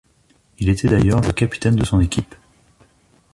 Il était d'ailleurs le capitaine de son équipe.